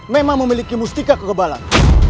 memang memiliki mustika kegebalan